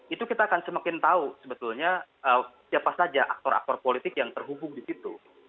itu kita akan semakin tahu sebetulnya siapa saja aktor aktor politik yang terhubung di situ